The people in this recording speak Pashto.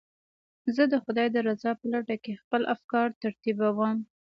زه د خدای د رضا په لټه کې خپل افکار ترتیبوم.